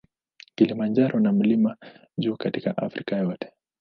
Kilimanjaro na mlima wa juu katika Afrika yote.